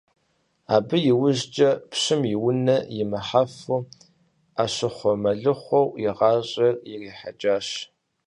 Абы иужькӏэ, пщым и унэ имыхьэфу, Ӏэщыхъуэ-мэлыхъуэу и гъащӀэр ирихьэкӏащ.